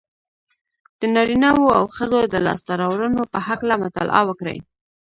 د نارينهوو او ښځو د لاسته راوړنو په هکله مطالعه وکړئ.